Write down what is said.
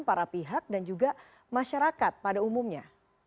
para pihak dan juga masyarakat pada umumnya